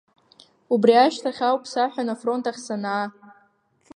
Убри ашьҭахь ауп саҳәан афронт ахь санаа.